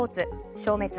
消滅。